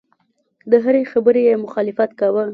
د هرې خبرې یې مخالفت کاوه.